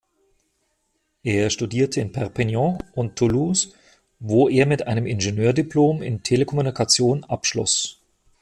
Er studierte in Perpignan und Toulouse, wo er mit einem Ingenieurdiplom in Telekommunikation abschloss.